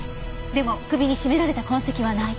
でも首に絞められた痕跡はない。